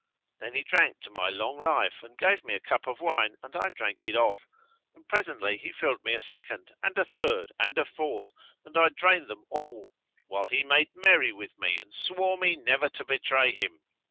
Then he drank to my long life and gave me a cup of wine and I drank it off; and presently he filled me a second and a third and a fourth, and I drained them all; while he made merry with me and swore me never to betray him.